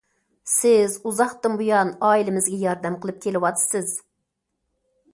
سىز ئۇزاقتىن بۇيان ئائىلىمىزگە ياردەم قىلىپ كېلىۋاتىسىز.